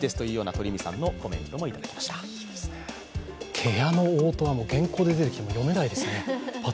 芥屋大門は、原稿で出てきても読めないですね。